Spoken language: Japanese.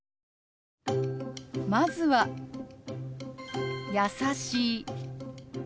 まずは「優しい」。